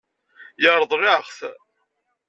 Yeṛḍel-aɣ-t.